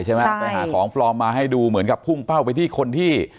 ไปหาของปลอมมาให้ดูเหมือนกับพุ่งเป้าไปที่คนที่